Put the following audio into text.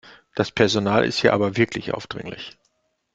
Das Personal ist hier aber wirklich aufdringlich.